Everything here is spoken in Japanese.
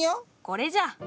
これじゃ。